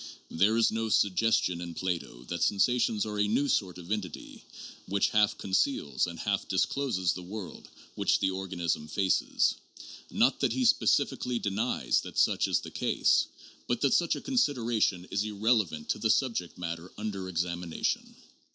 There is no suggestion in Plato that sensations are a new sort of entity which half conceals and half discloses the world which the organism faces — not that he specifically denies that such is the case, but that such a consideration is irrelevant to the subject matter under examination.